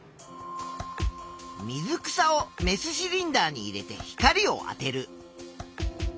水草をメスシリンダーに入れて光をあてる。